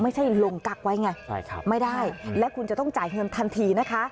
ไม่ใช่ลงกั๊กไว้ไงไม่ได้และคุณจะต้องจ่ายเงินทันทีนะคะ